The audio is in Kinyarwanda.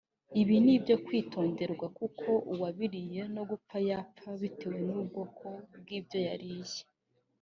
Ibi ni ibyo kwitonderwa kuko uwabiriye no gupfa yapfa bitewe n’ubwoko bw’ibyo yariye